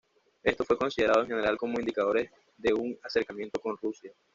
Esto fue considerado en general como indicadores de un acercamiento con Rusia.